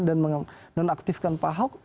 dan mengaktifkan pahaw